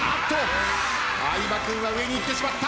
相葉君は上に行ってしまった。